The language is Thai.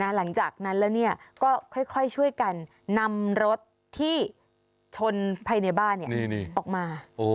หลังจากนั้นแล้วก็ค่อยช่วยกันนำรถที่ชนภายในบ้านออกมา